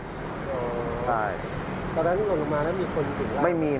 ตอนนั้นล่วงลงมาแล้วมีคนอยู่ตรงไหน